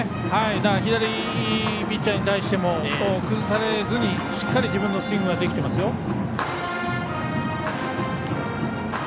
左ピッチャーに対しても崩されずに、しっかり自分のスイングができてますよ。